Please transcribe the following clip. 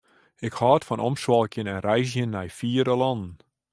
Ik hâld fan omswalkjen en reizgjen nei fiere lannen.